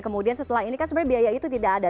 kemudian setelah ini kan sebenarnya biaya itu tidak ada